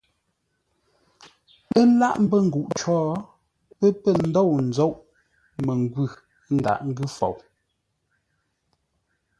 Ə́ láʼ mbə́ nguʼ cǒ, pə́ pə̂ ndôu ńzóʼ məngwʉ̂ ńdaghʼ ńgʉ́ fou.